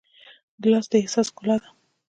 ګیلاس د احساس ښکلا ده.